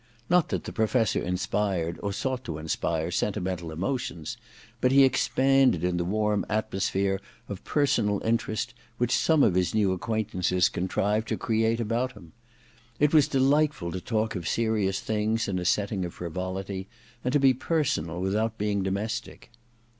Not that the Professor inspired, or sought to inspire, sentimental emotions ; but he expanded in the warm atmosphere of personal interest which some of his new acquaintances contrived to create about him. It was delightful to talk of serious things in a setting of frivolity, and to be personal without being domestic.